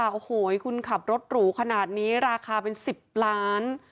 โอ้โหคุณขับรถหรูขนาดนี้ราคาเป็น๑๐ล้าน